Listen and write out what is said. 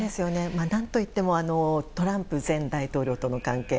何といってもトランプ前大統領との関係